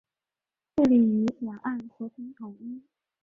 致力于两岸和平统一。